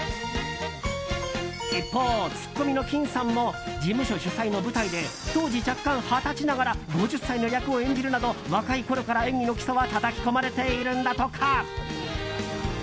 一方、ツッコミのきんさんも事務所主催の舞台で当時弱冠二十歳ながら５０歳の役を演じるなど若いころから演技の基礎はたたき込まれているんだとか。